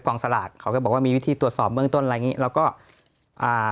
สลากเขาก็บอกว่ามีวิธีตรวจสอบเบื้องต้นอะไรอย่างงี้แล้วก็อ่า